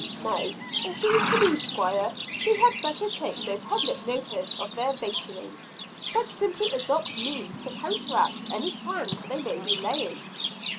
No, it seems to me, Squire, we had better take no public notice of their vaporing; but simply adopt means to counteract any plans they may be laying."